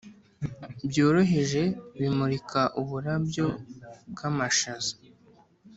byoroheje bimurika uburabyo bw'amashaza;